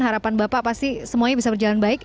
harapan bapak pasti semuanya bisa berjalan baik